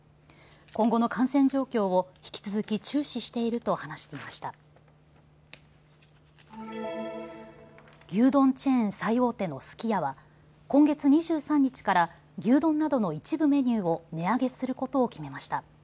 今後の感染状況を引き続き注視していると話していました牛丼チェーン最大手のすき家は今月２３日から牛丼などの一部メニューを値上げすることを決めました。